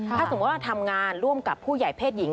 ถ้าสมมุติว่าทำงานร่วมกับผู้ใหญ่เพศหญิง